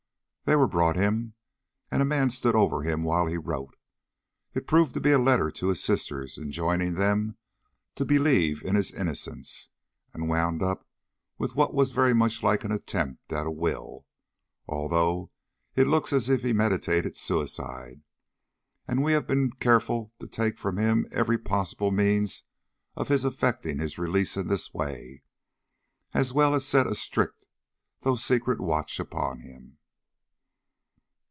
They were brought him, and a man stood over him while he wrote. It proved to be a letter to his sisters enjoining them to believe in his innocence, and wound up with what was very much like an attempt at a will. Altogether, it looks as if he meditated suicide, and we have been careful to take from him every possible means for his effecting his release in this way, as well as set a strict though secret watch upon him."